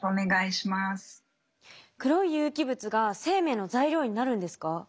黒い有機物が生命の材料になるんですか？